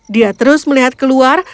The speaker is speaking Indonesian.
dia terus melihat keluar